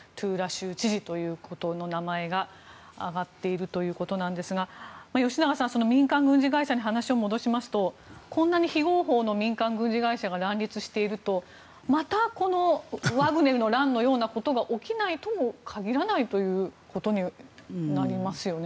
州知事という名前が挙がっているということですが吉永さん、民間軍事会社に話を戻しますとこんなに非合法の民間軍事会社が乱立しているとまたこのワグネルの乱のようなことが起きないとも限らないということになりますよね。